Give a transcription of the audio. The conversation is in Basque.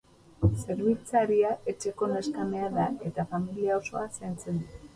Zerbitzaria, etxeko neskamea da eta familia osoa zaintzen du.